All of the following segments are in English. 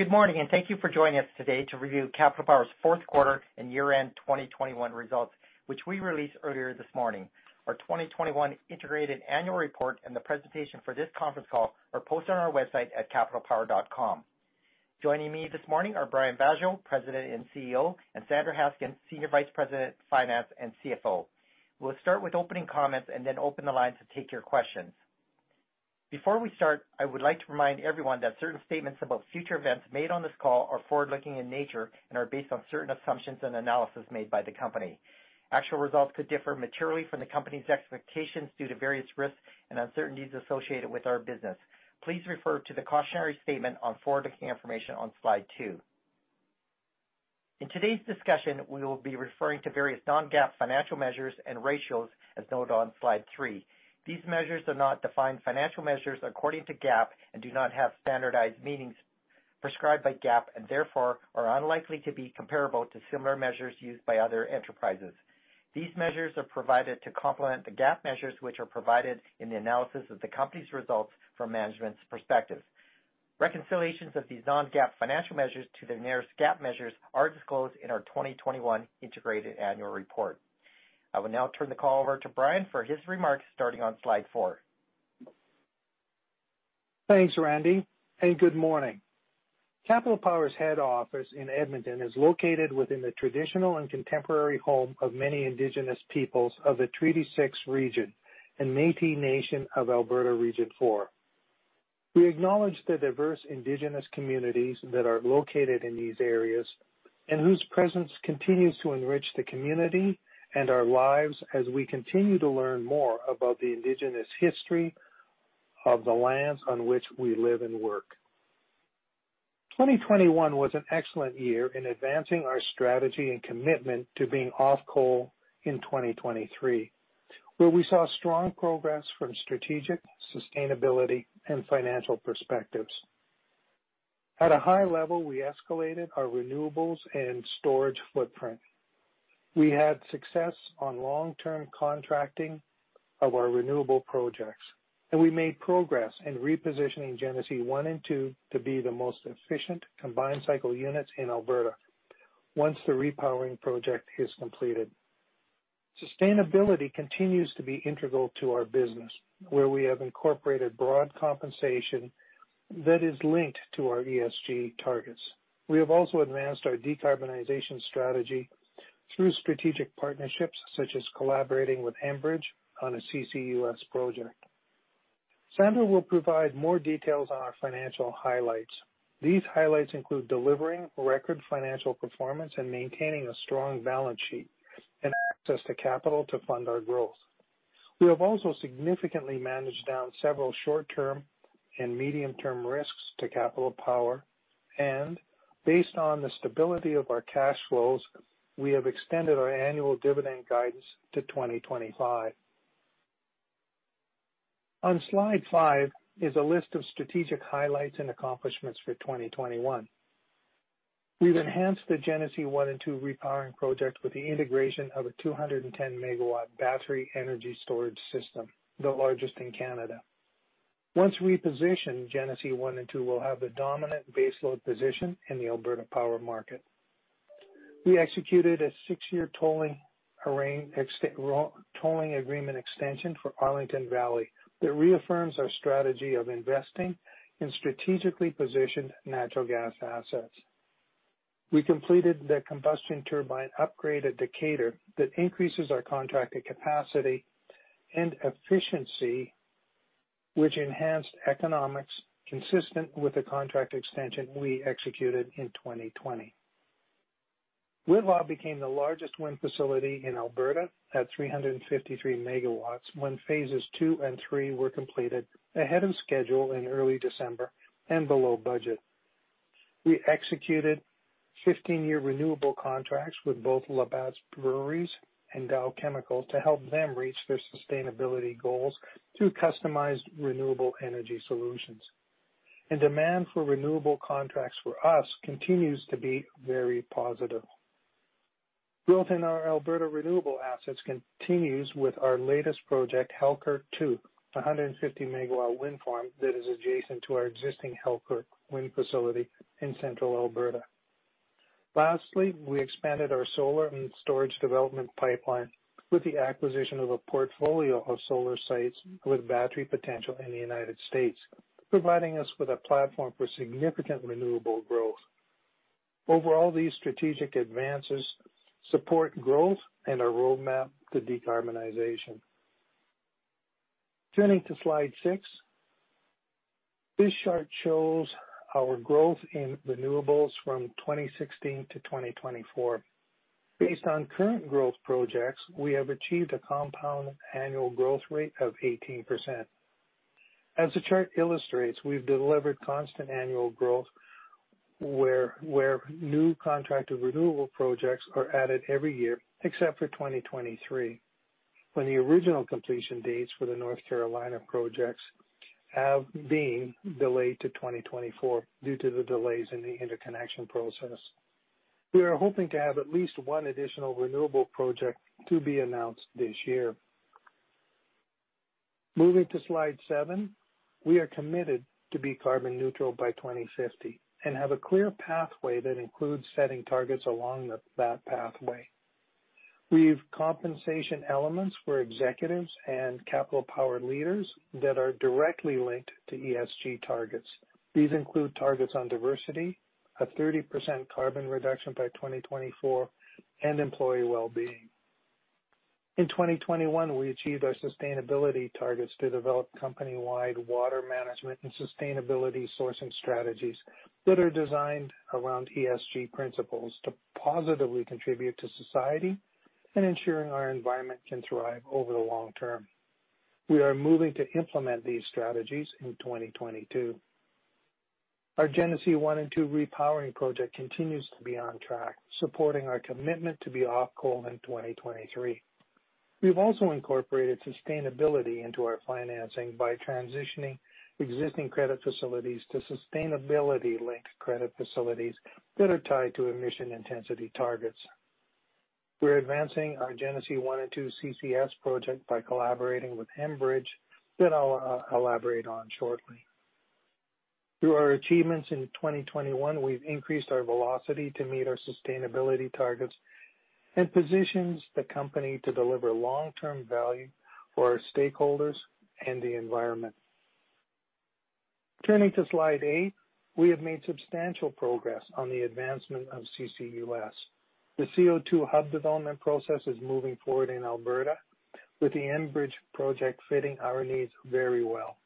Good morning, and thank you for joining us today to review Capital Power's fourth quarter and year-end 2021 results, which we released earlier this morning. Our 2021 integrated annual report and the presentation for this conference call are posted on our website at capitalpower.com. Joining me this morning are Brian Vaasjo, President and CEO, and Sandra Haskins, Senior Vice President, Finance and CFO. We'll start with opening comments and then open the lines to take your questions. Before we start, I would like to remind everyone that certain statements about future events made on this call are forward-looking in nature and are based on certain assumptions and analysis made by the company. Actual results could differ materially from the company's expectations due to various risks and uncertainties associated with our business. Please refer to the cautionary statement on forward-looking information on slide 2. In today's discussion, we will be referring to various non-GAAP financial measures and ratios as noted on slide 3. These measures are not defined financial measures according to GAAP and do not have standardized meanings prescribed by GAAP, and therefore are unlikely to be comparable to similar measures used by other enterprises. These measures are provided to complement the GAAP measures which are provided in the analysis of the company's results from management's perspective. Reconciliations of these non-GAAP financial measures to their nearest GAAP measures are disclosed in our 2021 integrated annual report. I will now turn the call over to Brian for his remarks, starting on slide 4. Thanks, Randy, and good morning. Capital Power's head office in Edmonton is located within the traditional and contemporary home of many Indigenous peoples of the Treaty 6 region and Métis Nation of Alberta Region 4. We acknowledge the diverse indigenous communities that are located in these areas and whose presence continues to enrich the community and our lives as we continue to learn more about the Indigenous history of the lands on which we live and work. 2021 was an excellent year in advancing our strategy and commitment to being off coal in 2023, where we saw strong progress from strategic, sustainability and financial perspectives. At a high level, we escalated our renewables and storage footprint. We had success on long-term contracting of our renewable projects, and we made progress in repositioning Genesee 1 and 2 to be the most efficient combined-cycle units in Alberta once the Genesee Repowering Project is completed. Sustainability continues to be integral to our business, where we have incorporated broad compensation that is linked to our ESG targets. We have also advanced our decarbonization strategy through strategic partnerships, such as collaborating with Enbridge on a CCUS project. Sandra will provide more details on our financial highlights. These highlights include delivering record financial performance and maintaining a strong balance sheet and access to capital to fund our growth. We have also significantly managed down several short-term and medium-term risks to Capital Power, and based on the stability of our cash flows, we have extended our annual dividend guidance to 2025. On slide 5 is a list of strategic highlights and accomplishments for 2021. We've enhanced the Genesee 1 and 2 Repowering Project with the integration of a 210 MW battery energy storage system, the largest in Canada. Once repositioned, Genesee 1 and 2 will have the dominant baseload position in the Alberta power market. We executed a 6-year tolling agreement extension for Arlington Valley that reaffirms our strategy of investing in strategically positioned natural gas assets. We completed the combustion turbine upgrade at Decatur that increases our contracted capacity and efficiency, which enhanced economics consistent with the contract extension we executed in 2020. Whitla became the largest wind facility in Alberta at 353 MW when phases 2 and 3 were completed ahead of schedule in early December and below budget. We executed 15-year renewable contracts with both Labatt Breweries and Dow Chemical to help them reach their sustainability goals through customized renewable energy solutions. Demand for renewable contracts for us continues to be very positive. Build-out of our Alberta renewable assets continues with our latest project, Halkirk 2, a 150MW wind farm that is adjacent to our existing Halkirk wind facility in central Alberta. Lastly, we expanded our solar and storage development pipeline with the acquisition of a portfolio of solar sites with battery potential in the United States, providing us with a platform for significant renewable growth. Overall, these strategic advances support growth and our roadmap to decarbonization. Turning to slide 6. This chart shows our growth in renewables from 2016 to 2024. Based on current growth projects, we have achieved a compound annual growth rate of 18%. As the chart illustrates, we've delivered constant annual growth where new contracted renewable projects are added every year, except for 2023, when the original completion dates for the North Carolina projects have been delayed to 2024 due to the delays in the interconnection process. We are hoping to have at least one additional renewable project to be announced this year. Moving to slide 7. We are committed to be carbon neutral by 2050 and have a clear pathway that includes setting targets along that pathway. We have compensation elements for executives and Capital Power leaders that are directly linked to ESG targets. These include targets on diversity, a 30% carbon reduction by 2024 and employee wellbeing. In 2021, we achieved our sustainability targets to develop company-wide water management and sustainability sourcing strategies that are designed around ESG principles to positively contribute to society and ensuring our environment can thrive over the long term. We are moving to implement these strategies in 2022. Our Genesee 1 and 2 Repowering Project continues to be on track, supporting our commitment to be off coal in 2023. We've also incorporated sustainability into our financing by transitioning existing credit facilities to sustainability-linked credit facilities that are tied to emission intensity targets. We're advancing our Genesee 1 and 2 CCUS project by collaborating with Enbridge that I'll elaborate on shortly. Through our achievements in 2021, we've increased our velocity to meet our sustainability targets and positions the company to deliver long-term value for our stakeholders and the environment. Turning to slide 8. We have made substantial progress on the advancement of CCUS. The CO2 hub development process is moving forward in Alberta, with the Enbridge project fitting our needs very well.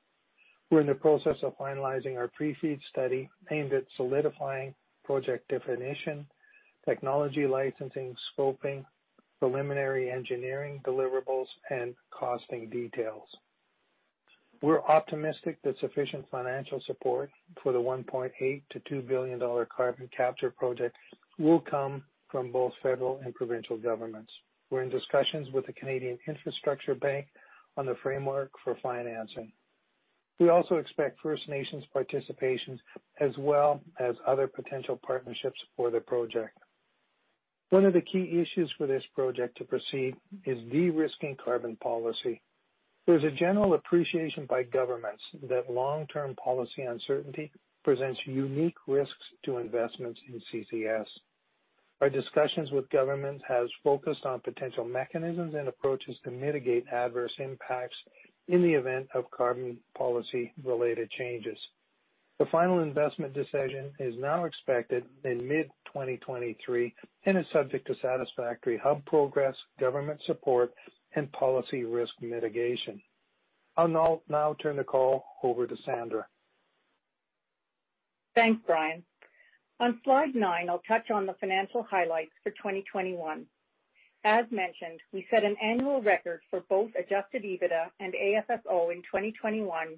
We're in the process of finalizing our pre-FEED study aimed at solidifying project definition, technology licensing, scoping, preliminary engineering deliverables and costing details. We're optimistic that sufficient financial support for the 1.8 billion-2.0 billion dollar carbon capture project will come from both federal and provincial governments. We're in discussions with the Canada Infrastructure Bank on the framework for financing. We also expect First Nations participation as well as other potential partnerships for the project. One of the key issues for this project to proceed is de-risking carbon policy. There's a general appreciation by governments that long-term policy uncertainty presents unique risks to investments in CCUS. Our discussions with governments has focused on potential mechanisms and approaches to mitigate adverse impacts in the event of carbon policy-related changes. The final investment decision is now expected in mid-2023 and is subject to satisfactory hub progress, government support and policy risk mitigation. I'll now turn the call over to Sandra. Thanks, Brian. On slide 9, I'll touch on the financial highlights for 2021. As mentioned, we set an annual record for both adjusted EBITDA and AFFO in 2021,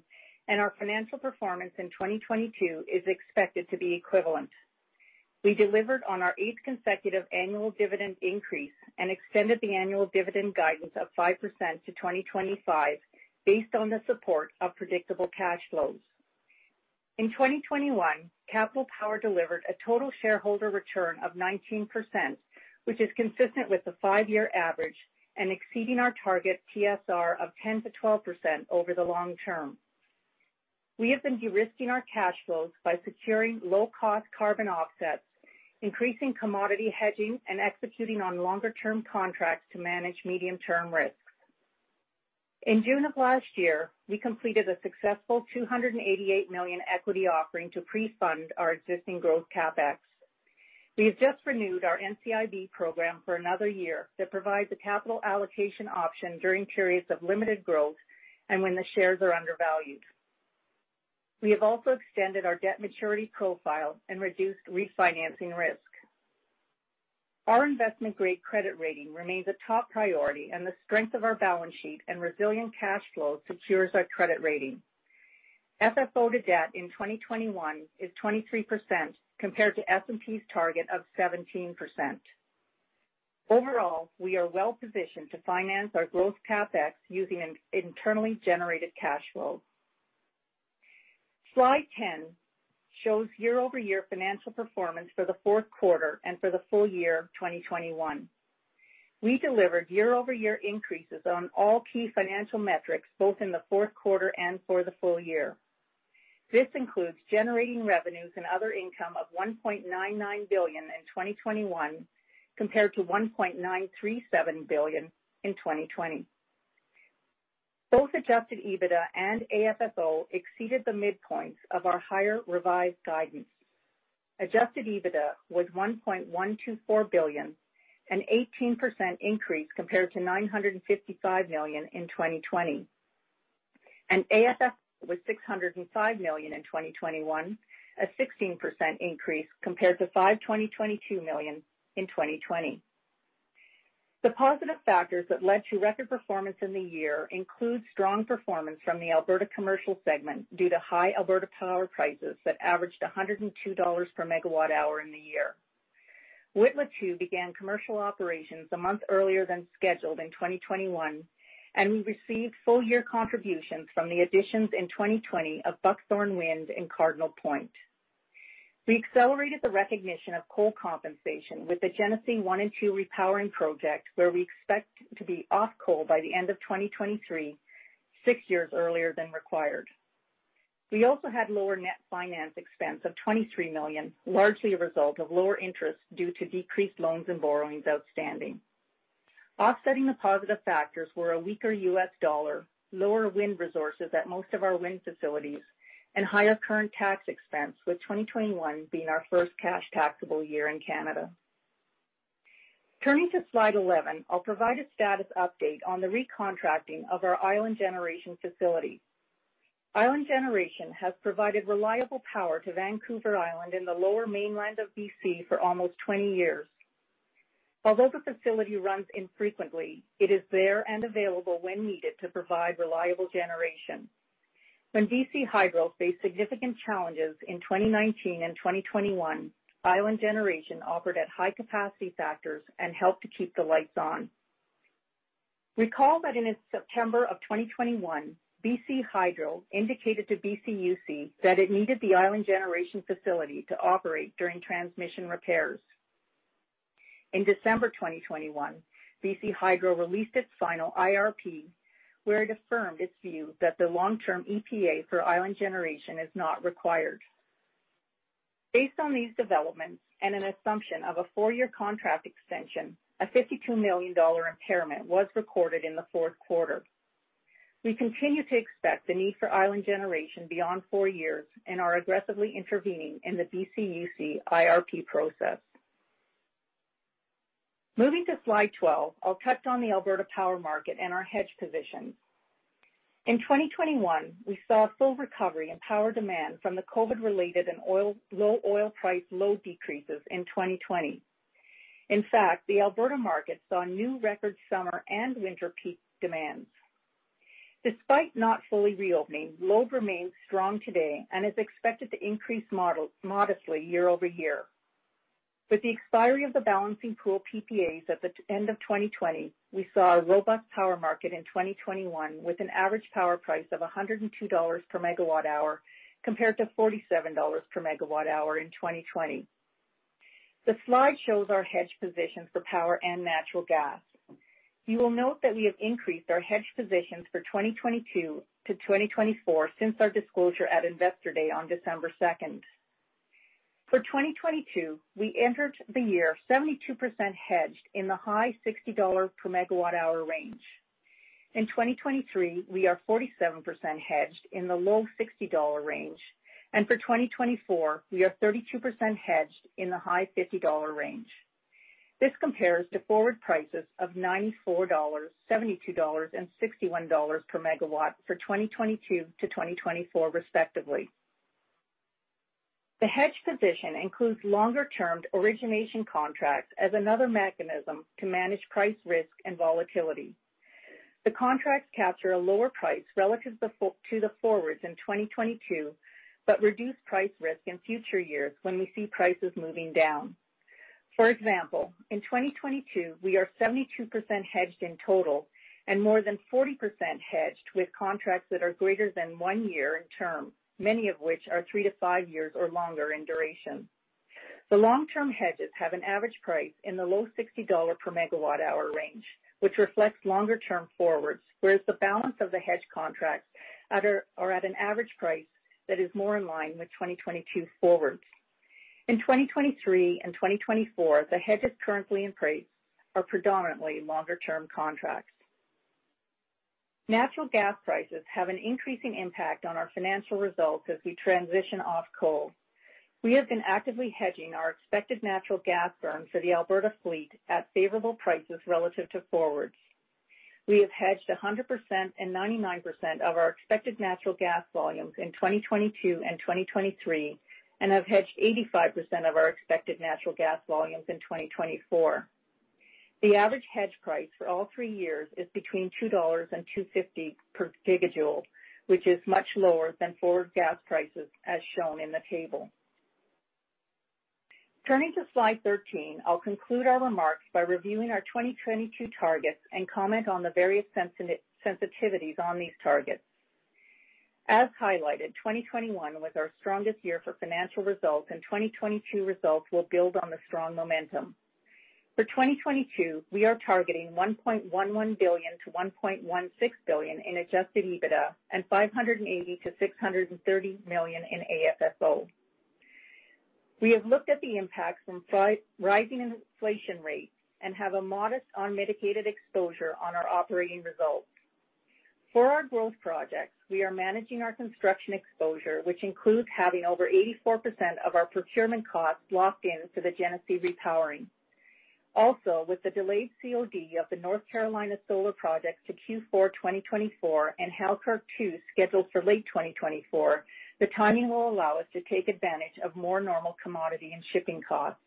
and our financial performance in 2022 is expected to be equivalent. We delivered on our eighth consecutive annual dividend increase and extended the annual dividend guidance of 5% to 2025 based on the support of predictable cash flows. In 2021, Capital Power delivered a total shareholder return of 19%, which is consistent with the 5-year average and exceeding our target TSR of 10%-12% over the long term. We have been de-risking our cash flows by securing low-cost carbon offsets, increasing commodity hedging, and executing on longer-term contracts to manage medium-term risks. In June of last year, we completed a successful 288 million equity offering to pre-fund our existing growth CapEx. We have just renewed our NCIB program for another year that provides a capital allocation option during periods of limited growth and when the shares are undervalued. We have also extended our debt maturity profile and reduced refinancing risk. Our investment-grade credit rating remains a top priority, and the strength of our balance sheet and resilient cash flow secures our credit rating. FFO to debt in 2021 is 23% compared to S&P's target of 17%. Overall, we are well-positioned to finance our growth CapEx using internally generated cash flows. Slide 10 shows year-over-year financial performance for the fourth quarter and for the full year of 2021. We delivered year-over-year increases on all key financial metrics, both in the fourth quarter and for the full year. This includes generating revenues and other income of 1.99 billion in 2021 compared to 1.937 billion in 2020. Both adjusted EBITDA and AFFO exceeded the midpoints of our higher revised guidance. Adjusted EBITDA was 1.124 billion, an 18% increase compared to 955 million in 2020. AFFO was 605 million in 2021, a 16% increase compared to 522 million in 2020. The positive factors that led to record performance in the year include strong performance from the Alberta commercial segment due to high Alberta power prices that averaged 102 dollars per megawatt hour in the year. Whitla 2 began commercial operations a month earlier than scheduled in 2021, and we received full-year contributions from the additions in 2020 of Buckthorn Wind and Cardinal Point. We accelerated the recognition of coal compensation with the Genesee 1 and 2 Repowering Project, where we expect to be off coal by the end of 2023, six years earlier than required. We also had lower net finance expense of 23 million, largely a result of lower interest due to decreased loans and borrowings outstanding. Offsetting the positive factors were a weaker U.S. dollar, lower wind resources at most of our wind facilities, and higher current tax expense with 2021 being our first cash taxable year in Canada. Turning to slide 11, I'll provide a status update on the recontracting of our Island Generation facility. Island Generation has provided reliable power to Vancouver Island in the lower mainland of B.C. for almost 20 years. Although the facility runs infrequently, it is there and available when needed to provide reliable generation. When BC Hydro faced significant challenges in 2019 and 2021, Island Generation offered at high capacity factors and helped to keep the lights on. Recall that in September 2021, BC Hydro indicated to BCUC that it needed the Island Generation facility to operate during transmission repairs. In December 2021, BC Hydro released its final IRP, where it affirmed its view that the long-term EPA for Island Generation is not required. Based on these developments and an assumption of a 4-year contract extension, a 52 million dollar impairment was recorded in the fourth quarter. We continue to expect the need for Island Generation beyond four years and are aggressively intervening in the BCUC IRP process. Moving to slide 12, I'll touch on the Alberta power market and our hedge position. In 2021, we saw a full recovery in power demand from the COVID-related and low oil price load decreases in 2020. In fact, the Alberta market saw new record summer and winter peak demands. Despite not fully reopening, load remains strong today and is expected to increase modestly year over year. With the expiry of the balancing pool PPAs at the end of 2020, we saw a robust power market in 2021, with an average power price of 102 dollars per MWh, compared to 47 dollars per MWh in 2020. The slide shows our hedge positions for power and natural gas. You will note that we have increased our hedge positions for 2022-2024 since our disclosure at Investor Day on December 2. For 2022, we entered the year 72% hedged in the high 60 dollar per MWh range. In 2023, we are 47% hedged in the low 60 dollar per MWh range. For 2024, we are 32% hedged in the high 50 dollar per MWh. This compares to forward prices of 94 dollars per MWh, 72 dollars per MWh and CAD 61 per MWh for 2022-2024 respectively. The hedge position includes longer-term origination contracts as another mechanism to manage price risk and volatility. The contracts capture a lower price relative to the forwards in 2022, but reduce price risk in future years when we see prices moving down. For example, in 2022, we are 72% hedged in total and more than 40% hedged with contracts that are greater than 1 year in term, many of which are 3-5 years or longer in duration. The long-term hedges have an average price in the low 60 dollar per MWh range, which reflects longer-term forwards, whereas the balance of the hedge contracts are at an average price that is more in line with 2022 forwards. In 2023 and 2024, the hedges currently in place are predominantly longer-term contracts. Natural gas prices have an increasing impact on our financial results as we transition off coal. We have been actively hedging our expected natural gas burn for the Alberta fleet at favorable prices relative to forwards. We have hedged 100% and 99% of our expected natural gas volumes in 2022 and 2023, and have hedged 85% of our expected natural gas volumes in 2024. The average hedge price for all three years is between 2.00 dollars and 2.50 per gigajoule, which is much lower than forward gas prices, as shown in the table. Turning to slide 13, I'll conclude our remarks by reviewing our 2022 targets and comment on the various sensitivities on these targets. As highlighted, 2021 was our strongest year for financial results, and 2022 results will build on the strong momentum. For 2022, we are targeting 1.11 billion-1.16 billion in adjusted EBITDA and 580 million-630 million in AFFO. We have looked at the impact from rising inflation rates and have a modest unmitigated exposure on our operating results. For our growth projects, we are managing our construction exposure, which includes having over 84% of our procurement costs locked in for the Genesee Repowering. With the delayed COD of the North Carolina solar project to Q4 2024 and Halkirk 2 scheduled for late 2024, the timing will allow us to take advantage of more normal commodity and shipping costs.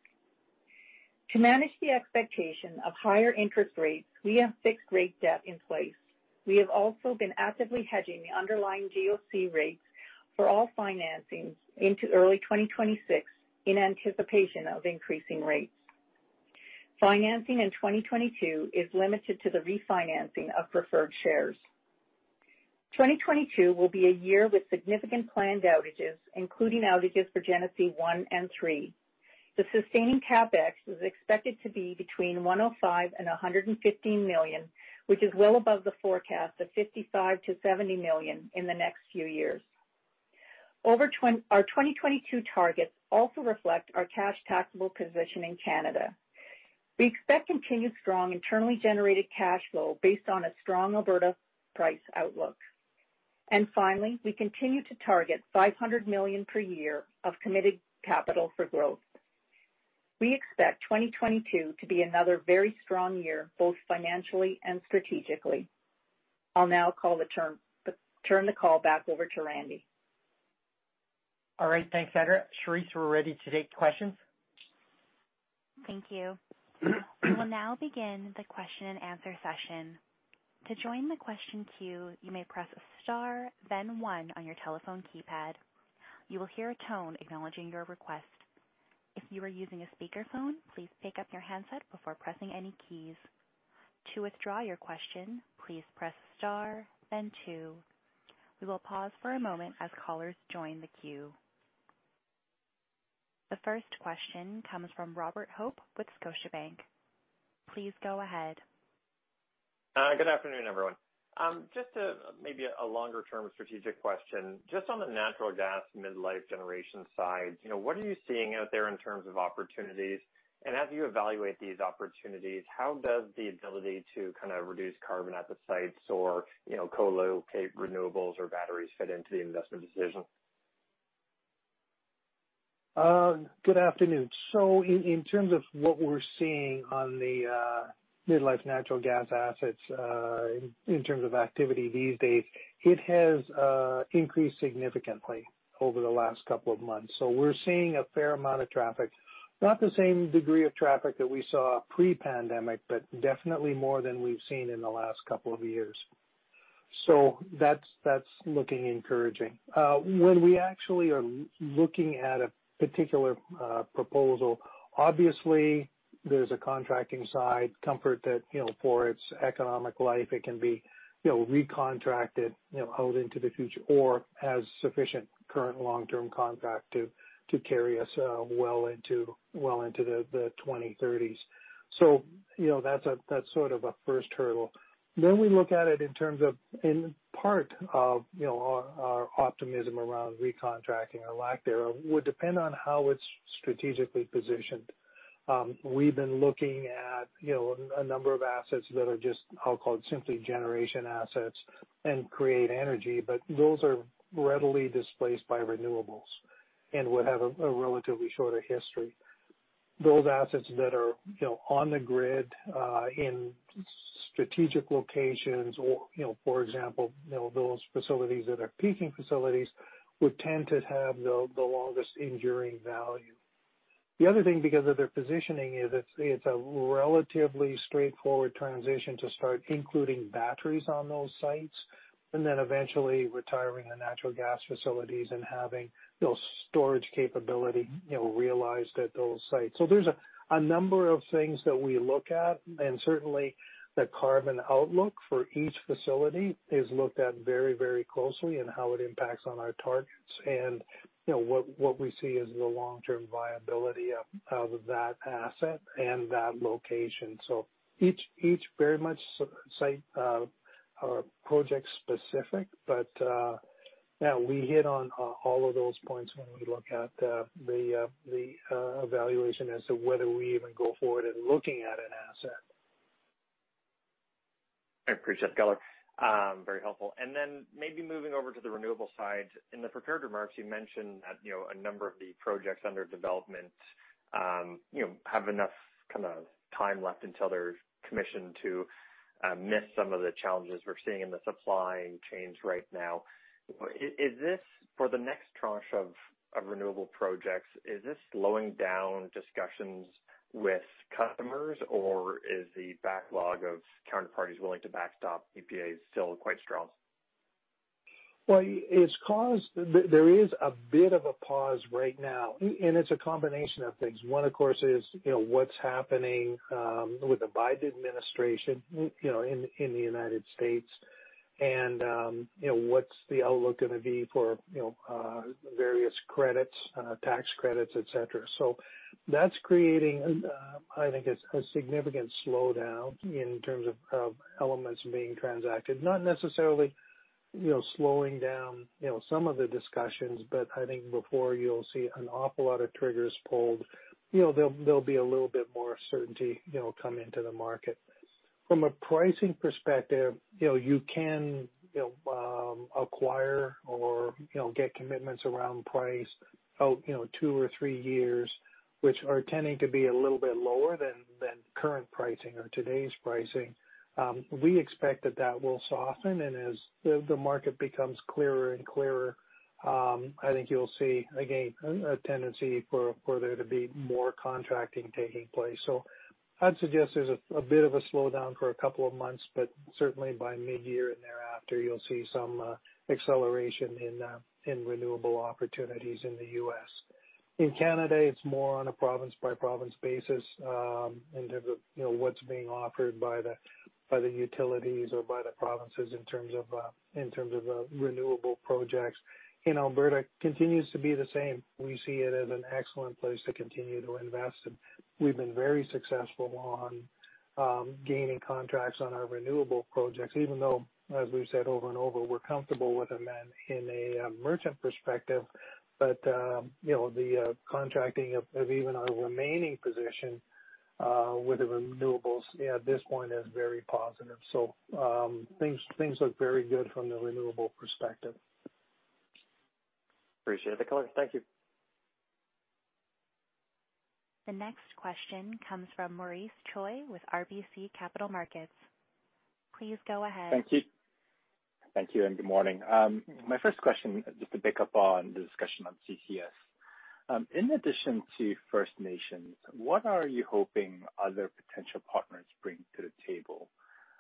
To manage the expectation of higher interest rates, we have fixed rate debt in place. We have also been actively hedging the underlying GoC rates for all financings into early 2026 in anticipation of increasing rates. Financing in 2022 is limited to the refinancing of preferred shares. 2022 will be a year with significant planned outages, including outages for Genesee 1 and 3. The sustaining CapEx is expected to be between 105 million and 115 million, which is well above the forecast of 55 million to 70 million in the next few years. Our 2022 targets also reflect our cash taxable position in Canada. We expect continued strong internally generated cash flow based on a strong Alberta price outlook. Finally, we continue to target 500 million per year of committed capital for growth. We expect 2022 to be another very strong year, both financially and strategically. I'll now turn the call back over to Randy. All right, thanks, Sandra. Thérèse, we're ready to take questions. Thank you. We will now begin the question and answer session. To join the question queue, you may press star then one on your telephone keypad. You will hear a tone acknowledging your request. If you are using a speakerphone, please pick up your handset before pressing any keys. To withdraw your question, please press star then two. We will pause for a moment as callers join the queue. The first question comes from Robert Hope with Scotiabank. Please go ahead. Good afternoon, everyone. Just to maybe a longer-term strategic question. Just on the natural gas midlife generation side, you know, what are you seeing out there in terms of opportunities? As you evaluate these opportunities, how does the ability to kind of reduce carbon at the sites or, you know, co-locate renewables or batteries fit into the investment decision? Good afternoon. In terms of what we're seeing on the midlife natural gas assets, in terms of activity these days, it has increased significantly over the last couple of months. We're seeing a fair amount of traffic. Not the same degree of traffic that we saw pre-pandemic, but definitely more than we've seen in the last couple of years. That's looking encouraging. When we actually are looking at a particular proposal, obviously there's a contracting side comfort that, you know, for its economic life, it can be, you know, recontracted, you know, out into the future or has sufficient current long-term contract to carry us well into the 2030s. You know, that's sort of a first hurdle. We look at it in terms of in part of, you know, our optimism around recontracting or lack thereof would depend on how it's strategically positioned. We've been looking at, you know, a number of assets that are just so-called simple generation assets and create energy, but those are readily displaced by renewables and would have a relatively shorter history. Those assets that are, you know, on the grid in strategic locations or, you know, for example, you know, those facilities that are peaking facilities would tend to have the longest enduring value. The other thing, because of their positioning, is it's a relatively straightforward transition to start including batteries on those sites and then eventually retiring the natural gas facilities and having those storage capability, you know, realized at those sites. There's a number of things that we look at, and certainly the carbon outlook for each facility is looked at very, very closely and how it impacts on our targets. You know, what we see is the long-term viability of that asset and that location. Each very much site or project specific. Yeah, we hit on all of those points when we look at the evaluation as to whether we even go forward in looking at an asset. I appreciate, color. Very helpful. Maybe moving over to the renewable side. In the prepared remarks, you mentioned that, you know, a number of the projects under development, you know, have enough kinda time left until they're commissioned to miss some of the challenges we're seeing in the supply chains right now. Is this for the next tranche of renewable projects? Is this slowing down discussions with customers, or is the backlog of counterparties willing to backstop PPAs still quite strong? Well, there is a bit of a pause right now, and it's a combination of things. One, of course, is, you know, what's happening with the Biden administration, you know, in the United States and, you know, what's the outlook gonna be for, you know, various credits, tax credits, et cetera. That's creating, I think, a significant slowdown in terms of elements being transacted, not necessarily, you know, slowing down, you know, some of the discussions. I think before you'll see an awful lot of triggers pulled. You know, there'll be a little bit more certainty, you know, come into the market. From a pricing perspective, you know, get commitments around price out, you know, two or three years, which are tending to be a little bit lower than current pricing or today's pricing. We expect that will soften. As the market becomes clearer and clearer, I think you'll see again a tendency for there to be more contracting taking place. I'd suggest there's a bit of a slowdown for a couple of months, but certainly by mid-year and thereafter you'll see some acceleration in renewable opportunities in the U.S. In Canada, it's more on a province by province basis in terms of what's being offered by the utilities or by the provinces in terms of the renewable projects. In Alberta continues to be the same. We see it as an excellent place to continue to invest, and we've been very successful on gaining contracts on our renewable projects, even though, as we've said over and over, we're comfortable with them in a merchant perspective. You know, the contracting of even our remaining position with the renewables at this point is very positive. Things look very good from the renewable perspective. Appreciate the color. Thank you. The next question comes from Maurice Choi with RBC Capital Markets. Please go ahead. Thank you. Thank you, and good morning. My first question, just to pick up on the discussion on CCUS. In addition to First Nations, what are you hoping other potential partners bring to the table?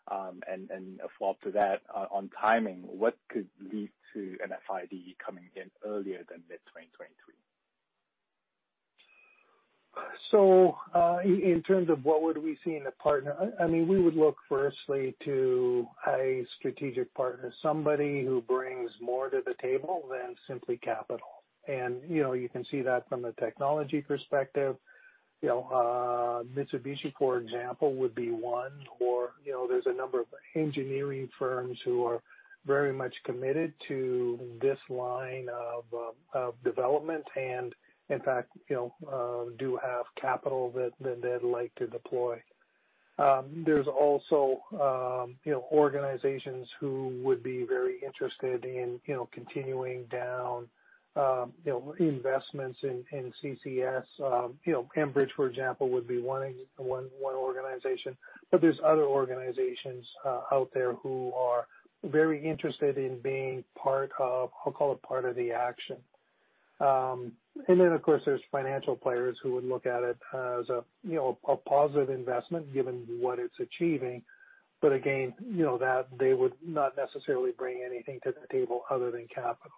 A follow up to that, on timing, what could lead to an FID coming in earlier than mid-2023? In terms of what would we see in a partner, I mean, we would look firstly to a strategic partner, somebody who brings more to the table than simply capital. You know, you can see that from a technology perspective. Mitsubishi, for example, would be one. Or, you know, there's a number of engineering firms who are very much committed to this line of development, and in fact, you know, do have capital that they'd like to deploy. There's also, you know, organizations who would be very interested in, you know, continuing down investments in CCUS. You know, Enbridge, for example, would be one organization. But there's other organizations out there who are very interested in being part of, I'll call it part of the action. Then of course, there's financial players who would look at it as a, you know, a positive investment given what it's achieving. Again, you know, that they would not necessarily bring anything to the table other than capital.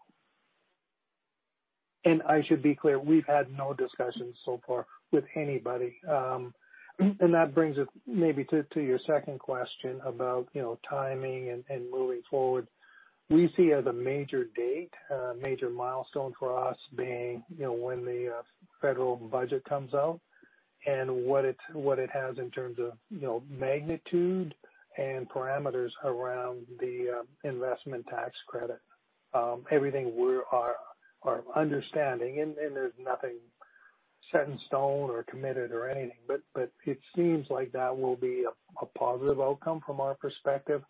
I should be clear, we've had no discussions so far with anybody. That brings us maybe to your second question about, you know, timing and moving forward. We see as a major date, a major milestone for us being, you know, when the federal budget comes out and what it has in terms of, you know, magnitude and parameters around the investment tax credit. Everything we are understanding, and there's nothing set in stone or committed or anything, but it seems like that will be a positive outcome from our perspective.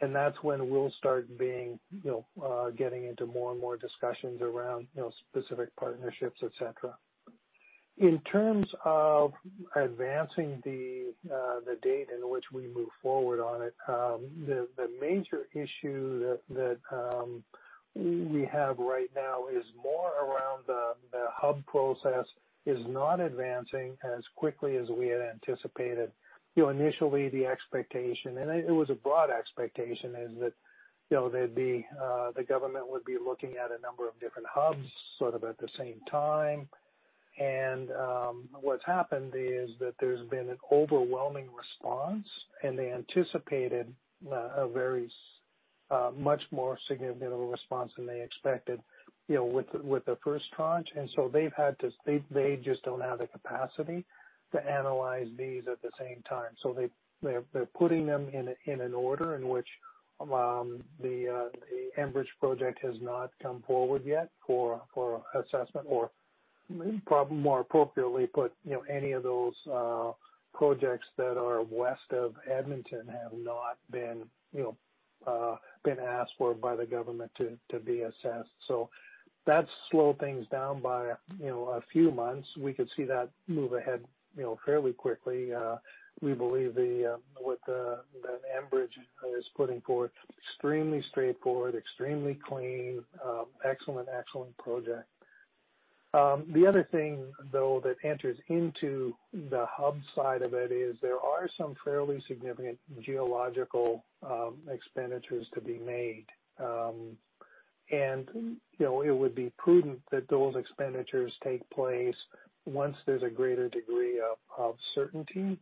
That's when we'll start being, you know, getting into more and more discussions around, you know, specific partnerships, etc. In terms of advancing the date in which we move forward on it, the major issue that we have right now is more around the hub process is not advancing as quickly as we had anticipated. You know, initially the expectation, and it was a broad expectation, is that, you know, there'd be the government would be looking at a number of different hubs sort of at the same time. What's happened is that there's been an overwhelming response, and they anticipated a very much more significant response than they expected, you know, with the first tranche. They've had to They just don't have the capacity to analyze these at the same time. They're putting them in an order in which the Enbridge project has not come forward yet for assessment or maybe probably more appropriately put, you know, any of those projects that are west of Edmonton have not been, you know, asked for by the government to be assessed. That's slowed things down by, you know, a few months. We could see that move ahead, you know, fairly quickly. We believe what Enbridge is putting forth extremely straightforward, extremely clean, excellent project. The other thing though that enters into the hub side of it is there are some fairly significant geological expenditures to be made. You know, it would be prudent that those expenditures take place once there's a greater degree of certainty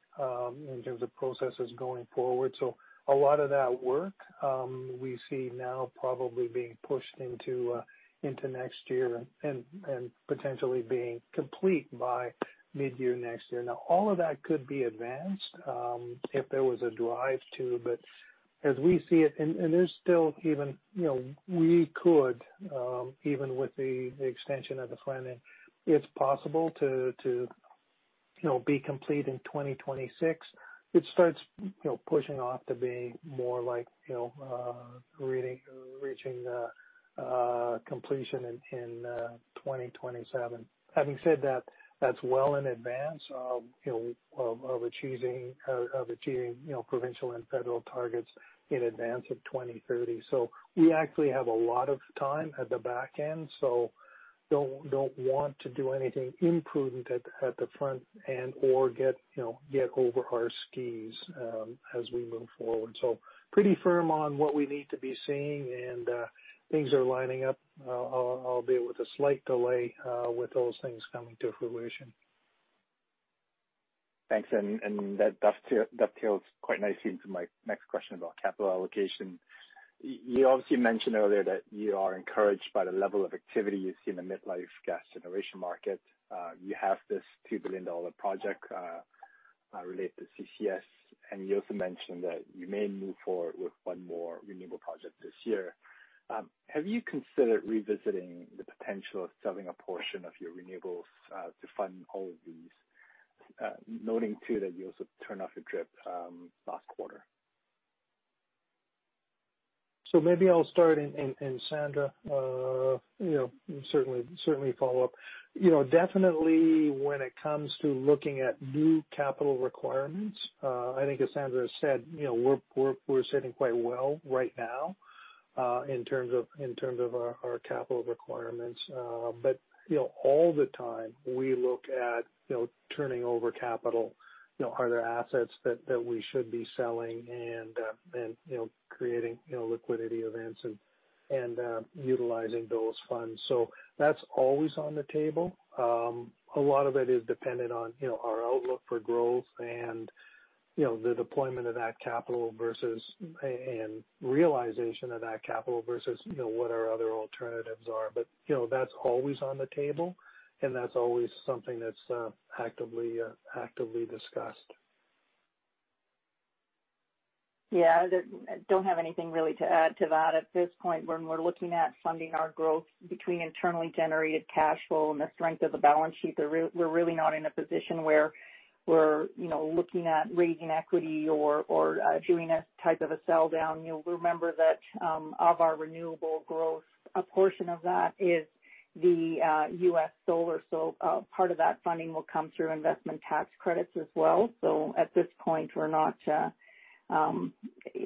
in terms of processes going forward. So a lot of that work we see now probably being pushed into next year and potentially being complete by mid-year next year. Now, all of that could be advanced if there was a drive to, but as we see it, and it is still even, you know, we could even with the extension of the planning, it's possible to, you know, be complete in 2026. It starts, you know, pushing off to being more like, you know, really reaching the completion in 2027. Having said that's well in advance of you know achieving provincial and federal targets in advance of 2030. We actually have a lot of time at the back end. Don't want to do anything imprudent at the front end or get you know over our skis as we move forward. Pretty firm on what we need to be seeing, and things are lining up, albeit with a slight delay, with those things coming to fruition. Thanks. That dovetails quite nicely into my next question about capital allocation. You obviously mentioned earlier that you are encouraged by the level of activity you see in the mid-life gas generation market. You have this 2 billion dollar project related to CCUS, and you also mentioned that you may move forward with one more renewable project this year. Have you considered revisiting the potential of selling a portion of your renewables to fund all of these, noting too that you also turned off a DRIP last quarter? Maybe I'll start and Sandra, you know, certainly follow up. You know, definitely when it comes to looking at new capital requirements, I think as Sandra has said, you know, we're sitting quite well right now, in terms of our capital requirements. But you know, all the time we look at, you know, turning over capital, you know, are there assets that we should be selling? And you know, creating, you know, liquidity events and utilizing those funds. That's always on the table. A lot of it is dependent on, you know, our outlook for growth and, you know, the deployment of that capital versus and realization of that capital versus, you know, what our other alternatives are. you know, that's always on the table, and that's always something that's actively discussed. Yeah. I don't have anything really to add to that at this point. When we're looking at funding our growth between internally generated cash flow and the strength of the balance sheet, we're really not in a position where we're, you know, looking at raising equity or doing a type of a sell down. You'll remember that, of our renewable growth, a portion of that is the U.S. solar. So, part of that funding will come through investment tax credits as well. So at this point, we're not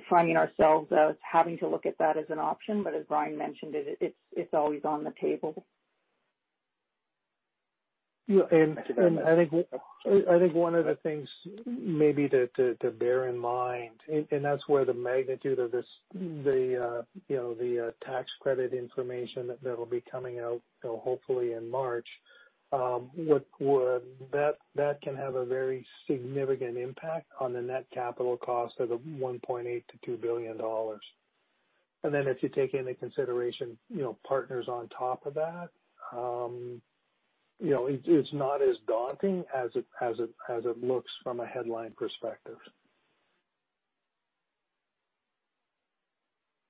finding ourselves as having to look at that as an option, but as Brian mentioned, it's always on the table. Yeah. I think one of the things maybe to bear in mind, and that's where the magnitude of this tax credit information that'll be coming out, you know, hopefully in March, that can have a very significant impact on the net capital cost of the 1.8 billion-2.0 billion dollars. Then if you take into consideration, you know, partners on top of that, you know, it's not as daunting as it looks from a headline perspective.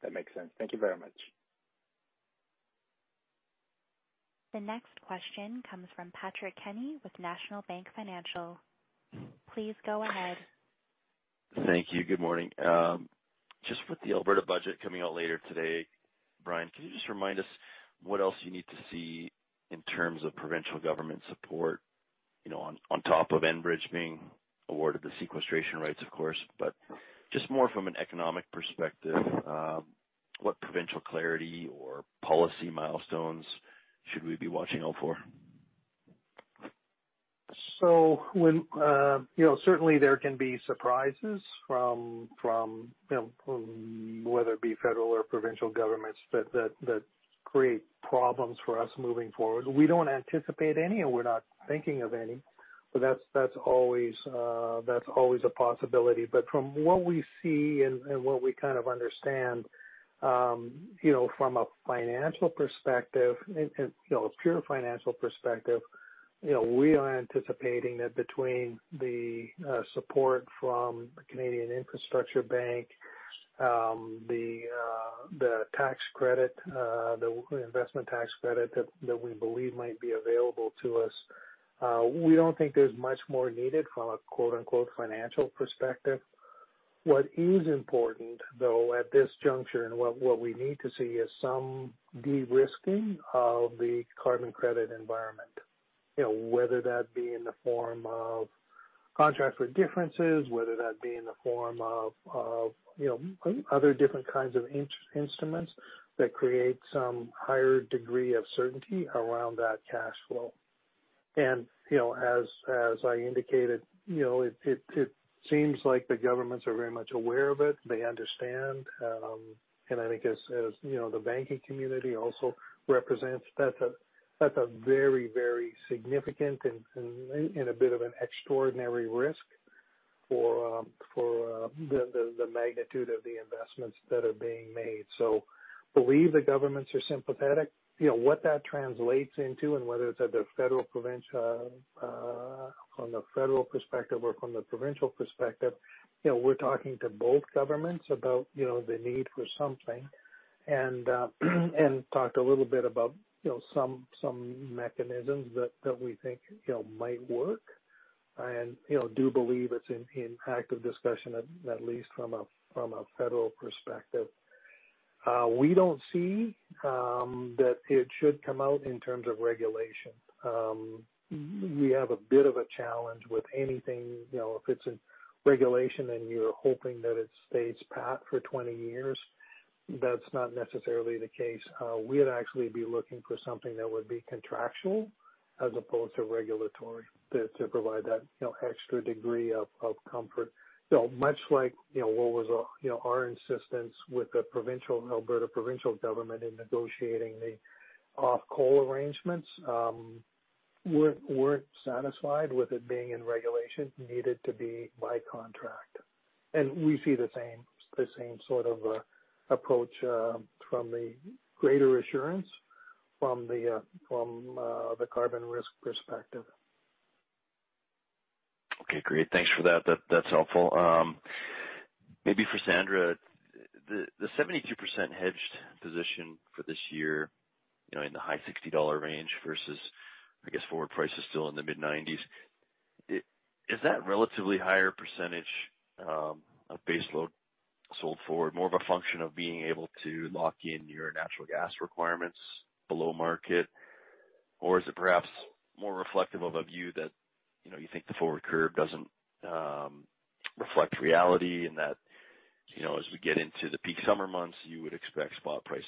That makes sense. Thank you very much. The next question comes from Patrick Kenny with National Bank Financial. Please go ahead. Thank you. Good morning. Just with the Alberta budget coming out later today, Brian, can you just remind us what else you need to see in terms of provincial government support, you know, on top of Enbridge being awarded the sequestration rights, of course, but just more from an economic perspective, what provincial clarity or policy milestones should we be watching out for? When you know, certainly there can be surprises from you know, from whether it be federal or provincial governments that create problems for us moving forward. We don't anticipate any, and we're not thinking of any, but that's always a possibility. From what we see and what we kind of understand, you know, from a financial perspective and a pure financial perspective, you know, we are anticipating that between the support from the Canada Infrastructure Bank, the tax credit, the investment tax credit that we believe might be available to us, we don't think there's much more needed from a quote unquote financial perspective. What is important though at this juncture and what we need to see is some de-risking of the carbon credit environment. You know, whether that be in the form of contract for difference, whether that be in the form of you know, other different kinds of instruments that create some higher degree of certainty around that cash flow. You know, as I indicated, you know, it seems like the governments are very much aware of it. They understand. I think as you know, the banking community also represents that that's a very significant and a bit of an extraordinary risk for the magnitude of the investments that are being made. Believe the governments are sympathetic. You know, what that translates into and whether it's at the federal, provincial, from the federal perspective or from the provincial perspective, you know, we're talking to both governments about, you know, the need for something and talked a little bit about, you know, some mechanisms that we think, you know, might work and, you know, do believe it's in active discussion at least from a federal perspective. We don't see that it should come out in terms of regulation. We have a bit of a challenge with anything, you know, if it's in regulation and you're hoping that it stays pat for 20 years, that's not necessarily the case. We'd actually be looking for something that would be contractual as opposed to regulatory to provide that, you know, extra degree of comfort. Much like, you know, what was our insistence with the provincial Alberta government in negotiating the off-coal arrangements, we're satisfied with it being in regulation. It needed to be by contract. We see the same sort of approach from the greater assurance from the carbon risk perspective. Okay, great. Thanks for that. That's helpful. Maybe for Sandra, the 72% hedged position for this year, you know, in the high $60 per MWh range versus, I guess, forward prices still in the mid-$90 per MWh. Is that relatively higher percentage of base load sold forward more of a function of being able to lock in your natural gas requirements below market? Or is it perhaps more reflective of a view that, you know, you think the forward curve doesn't reflect reality and that, you know, as we get into the peak summer months, you would expect spot prices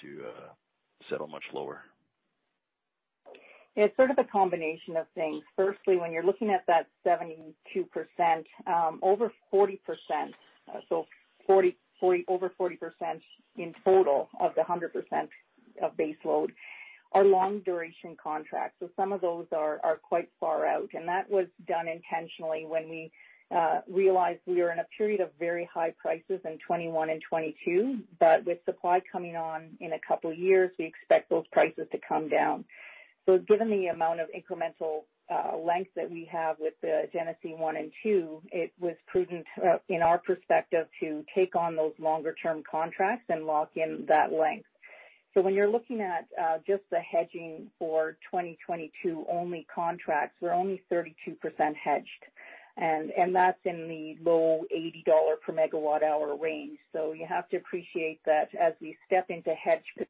to settle much lower? It's sort of a combination of things. Firstly, when you're looking at that 72%, over 40%, so over 40% in total of the 100% of base load are long duration contracts. Some of those are quite far out. That was done intentionally when we realized we were in a period of very high prices in 2021 and 2022, but with supply coming on in a couple years, we expect those prices to come down. Given the amount of incremental length that we have with the Genesee 1 and 2, it was prudent in our perspective to take on those long-term contracts and lock in that length. When you're looking at just the hedging for 2022 only contracts, we're only 32% hedged, and that's in the low CAD 80 per MWh range. You have to appreciate that as we step into hedge side,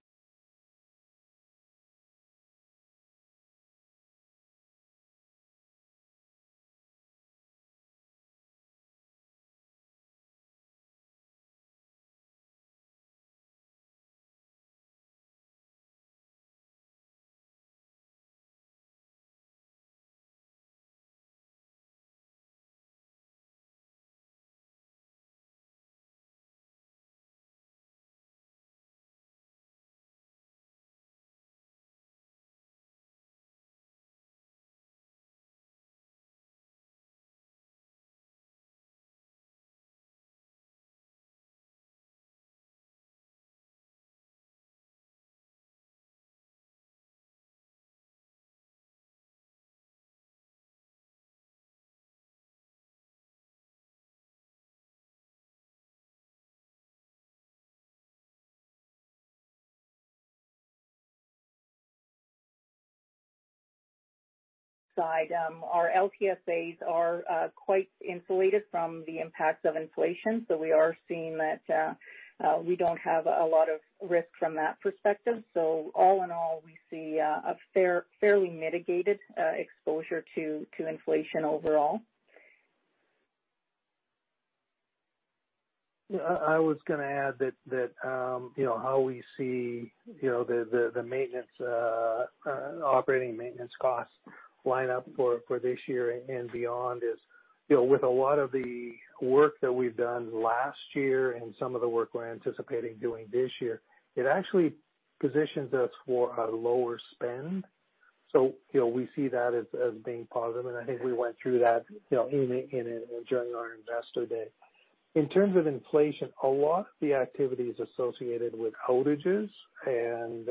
our LTSAs are quite insulated from the impacts of inflation. We are seeing that we don't have a lot of risk from that perspective. All in all, we see a fairly mitigated exposure to inflation overall. Yeah, I was gonna add that, you know, how we see, you know, the maintenance operating maintenance costs line up for this year and beyond is, you know, with a lot of the work that we've done last year and some of the work we're anticipating doing this year, it actually positions us for a lower spend. We see that as being positive, and I think we went through that, you know, during our investor day. In terms of inflation, a lot of the activities associated with outages and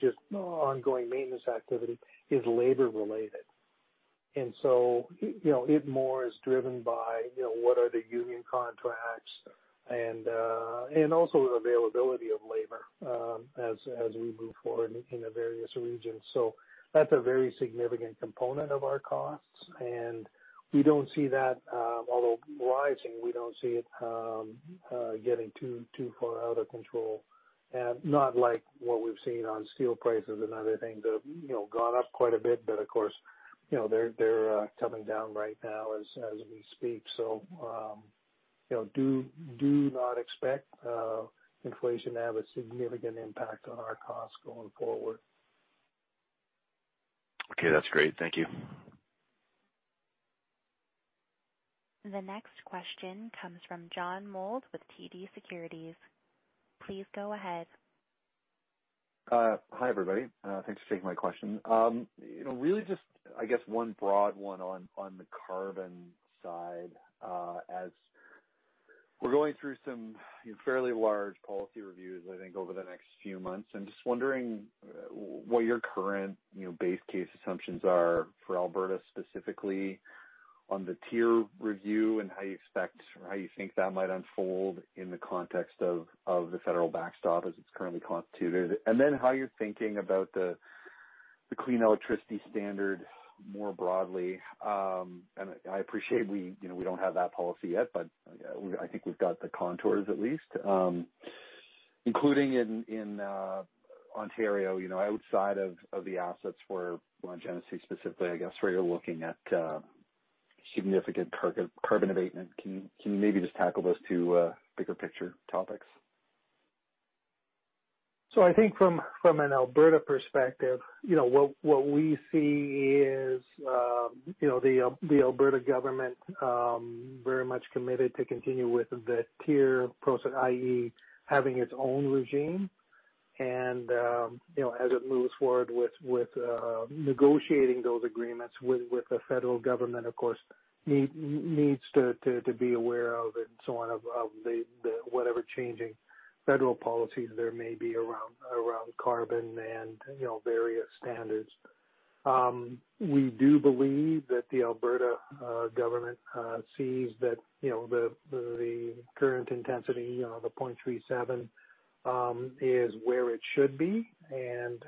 just ongoing maintenance activity is labor related. You know, it more is driven by, you know, what are the union contracts and also the availability of labor, as we move forward in various regions. That's a very significant component of our costs, and we don't see that, although rising, we don't see it getting too far out of control, not like what we've seen on steel prices and other things have, you know, gone up quite a bit. Of course, you know, they're coming down right now as we speak. You know, do not expect inflation to have a significant impact on our costs going forward. Okay. That's great. Thank you. The next question comes from John Mould with TD Securities. Please go ahead. Hi, everybody. Thanks for taking my question. You know, really just, I guess one broad one on the carbon side. As we're going through some fairly large policy reviews, I think, over the next few months. I'm just wondering what your current, you know, base case assumptions are for Alberta, specifically on the TIER review and how you expect or how you think that might unfold in the context of the federal backstop as it's currently constituted. How you're thinking about the clean electricity standard more broadly. I appreciate, you know, we don't have that policy yet, but I think we've got the contours at least. Including in Ontario, you know, outside of the assets where Genesee specifically, I guess, where you're looking at significant carbon abatement. Can you maybe just tackle those two bigger picture topics? I think from an Alberta perspective, you know, what we see is, you know, the Alberta government very much committed to continue with the TIER process, i.e., having its own regime. You know, as it moves forward with negotiating those agreements with the federal government, of course, needs to be aware of and so on, of the whatever changing federal policies there may be around carbon and, you know, various standards. We do believe that the Alberta government sees that, you know, the current intensity, the 0.37, is where it should be and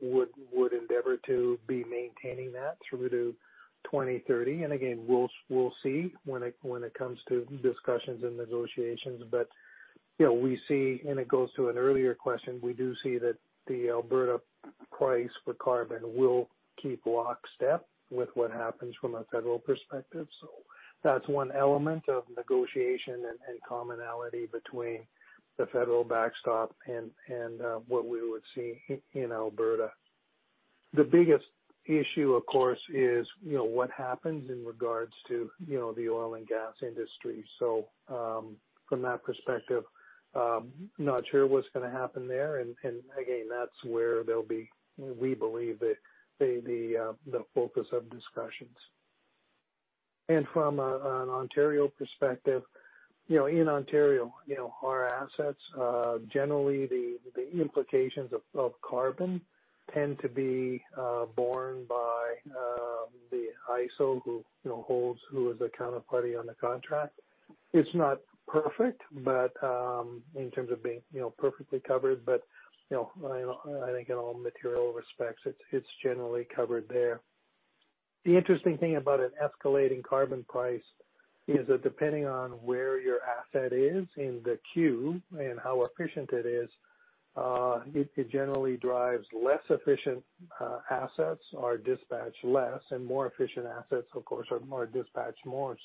would endeavor to be maintaining that through to 2030. Again, we'll see when it comes to discussions and negotiations. You know, we see and it goes to an earlier question, we do see that the Alberta price for carbon will keep lockstep with what happens from a federal perspective. That's one element of negotiation and what we would see in Alberta. The biggest issue, of course, is you know what happens in regards to you know the oil and gas industry. From that perspective, not sure what's gonna happen there. Again, that's where there'll be, we believe the focus of discussions. From an Ontario perspective, you know, in Ontario, you know, our assets generally the implications of carbon tend to be borne by the IESO, who is the counterparty on the contract. It's not perfect, but in terms of being, you know, perfectly covered. You know, I think in all material respects, it's generally covered there. The interesting thing about an escalating carbon price is that depending on where your asset is in the queue and how efficient it is, it generally drives less efficient assets or dispatch less and more efficient assets of course are more dispatch more.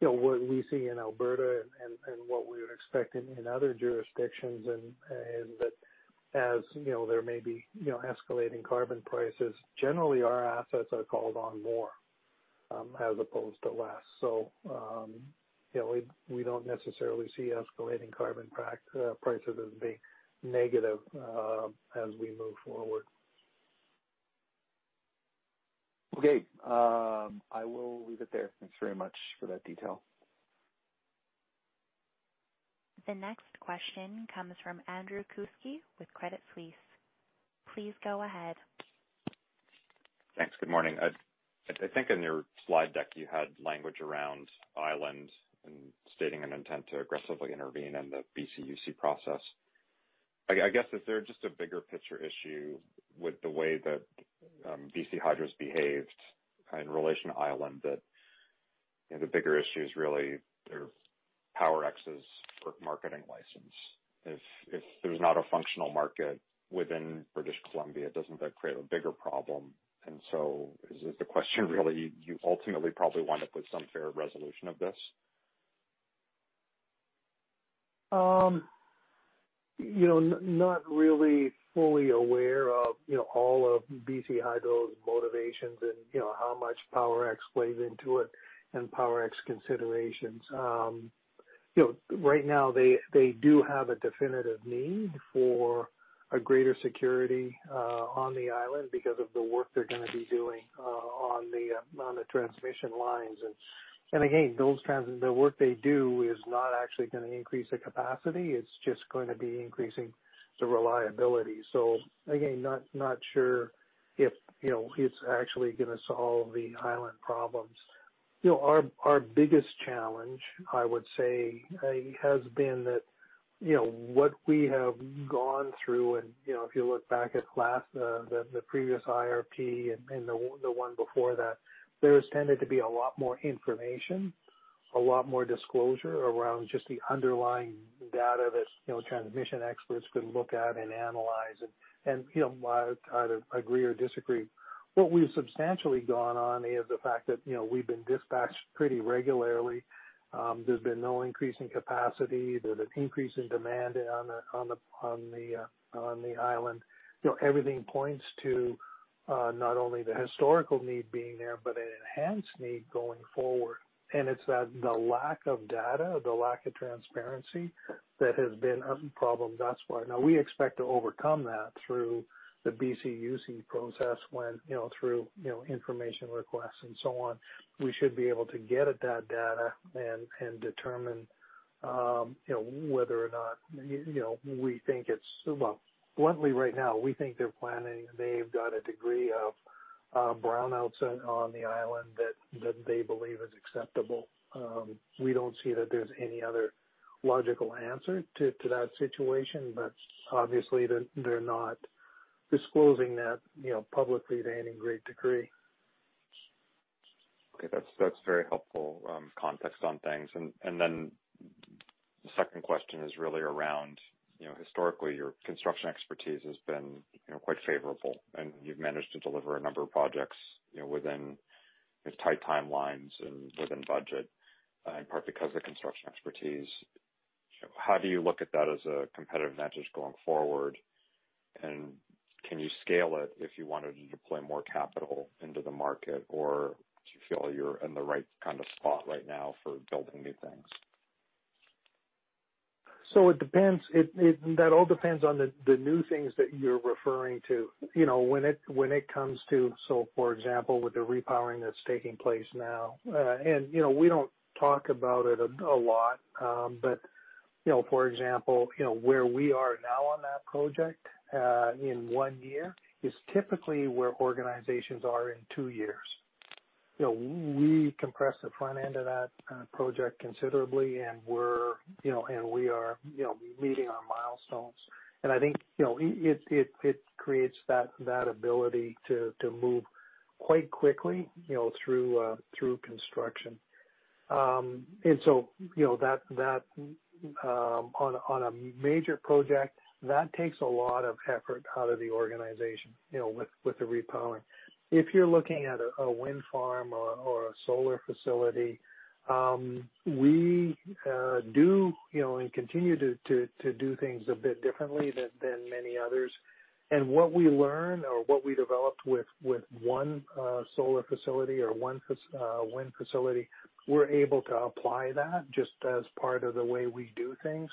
You know, what we see in Alberta and what we would expect in other jurisdictions and that as, you know, there may be, you know, escalating carbon prices, generally, our assets are called on more as opposed to less. You know, we don't necessarily see escalating carbon prices as being negative as we move forward. Okay. I will leave it there. Thanks very much for that detail. The next question comes from Andrew Kuske with Credit Suisse. Please go ahead. Thanks. Good morning. I think in your slide deck you had language around Island and stating an intent to aggressively intervene in the BCUC process. I guess, is there just a bigger picture issue with the way that BC Hydro's behaved in relation to Island that, you know, the bigger issue is really their Powerex or marketing license. If there's not a functional market within British Columbia, doesn't that create a bigger problem? Is the question really you ultimately probably wind up with some fair resolution of this? Not really fully aware of, you know, all of BC Hydro's motivations and you know, how much Powerex plays into it and Powerex considerations. Right now they do have a definitive need for a greater security on the island because of the work they're gonna be doing on the transmission lines. The work they do is not actually gonna increase the capacity, it's just gonna be increasing the reliability. Again, not sure if you know, it's actually gonna solve the island problems. You know, our biggest challenge, I would say, has been that, you know, what we have gone through and, you know, if you look back at the previous IRP and the one before that, there has tended to be a lot more information, a lot more disclosure around just the underlying data that, you know, transmission experts could look at and analyze and, you know, either agree or disagree. What we've substantially gone on is the fact that, you know, we've been dispatched pretty regularly. There's been no increase in capacity. There's an increase in demand on the island. You know, everything points to not only the historical need being there, but an enhanced need going forward. It's that the lack of data, the lack of transparency that has been a problem thus far. Now we expect to overcome that through the BCUC process, you know, through information requests and so on. We should be able to get at that data and determine, you know, whether or not, you know, we think it's. Well, bluntly right now we think they're planning. They've got a degree of brownouts on the island that they believe is acceptable. We don't see that there's any other logical answer to that situation. Obviously they're not disclosing that, you know, publicly to any great degree. Okay. That's very helpful context on things. Then the second question is really around, you know, historically your construction activity has been, you know, quite favorable, and you've managed to deliver a number of projects, you know, within these tight timelines and within budget, in part because of the construction expertise. How do you look at that as a competitive advantage going forward? Can you scale it if you wanted to deploy more capital into the market? Or do you feel you're in the right kind of spot right now for building new things? It depends. That all depends on the new things that you're referring to. You know, when it comes to, for example, with the Repowering that's taking place now, and you know, we don't talk about it a lot, but you know, for example, you know, where we are now on that project, in one year is typically where organizations are in two years. You know, we compress the front end of that project considerably and we are, you know, meeting our milestones. I think, you know, it creates that ability to move quite quickly, you know, through construction. You know, that on a major project, that takes a lot of effort out of the organization, you know, with the repowering. If you're looking at a wind farm or a solar facility, we do, you know, and continue to do things a bit differently than many others. What we learn or what we developed with one solar facility or one wind facility, we're able to apply that just as part of the way we do things.